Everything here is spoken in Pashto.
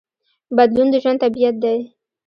بدلون د ژوند طبیعت دی.